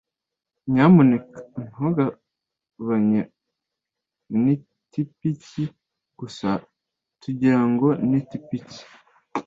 Nyamuneka ntugabanye nitipiki gusa kugirango nitipike.